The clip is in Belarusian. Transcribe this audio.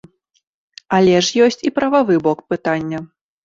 Але ж ёсць і прававы бок пытання.